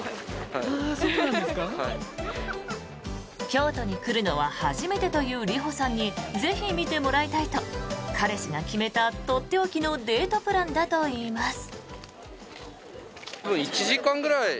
京都に来るのは初めてという里穂さんにぜひ見てもらいたいと彼氏が決めたとっておきのデートプランだといいます。